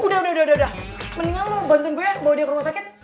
udah udah udah mendingan lo bantuin gue bawa dia ke rumah sakit